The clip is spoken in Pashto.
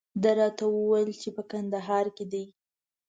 ده راته وویل چې په کندهار کې دی.